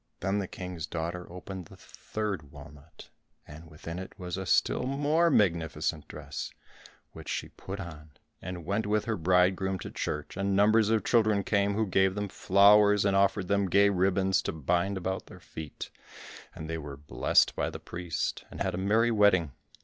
Then the King's daughter opened the third walnut, and within it was a still more magnificent dress, which she put on, and went with her bridegroom to church, and numbers of children came who gave them flowers, and offered them gay ribbons to bind about their feet, and they were blessed by the priest, and had a merry wedding.